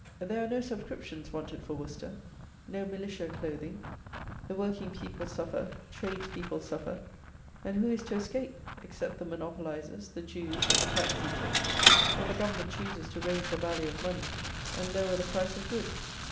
There are no subscriptions wanted for Worcester; no militia clothing. The working people suffer, trades' people suffer, and who is to escape, except the monopolizers, the Jews, and the tax eaters, when the Government chooses to raise the value of money, and lower the price of goods?